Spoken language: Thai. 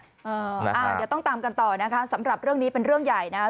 เดี๋ยวต้องตามกันต่อนะคะสำหรับเรื่องนี้เป็นเรื่องใหญ่นะครับ